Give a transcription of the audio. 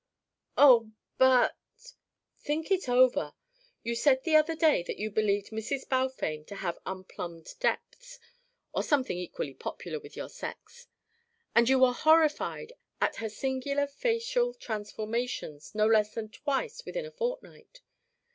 "Oh but " "Think it over. You said the other day that you believed Mrs. Balfame to have unplumbed depths, or something equally popular with your sex. And you were horrified at her singular facial transformations no less than twice within a fortnight.